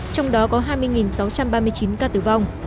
trong đó có hai mươi sáu trăm ba mươi chín ca tử vong